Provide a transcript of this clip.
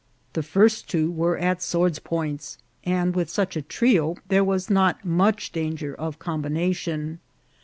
The first two were at swords' points, and with such a trio there was not much danger of combination.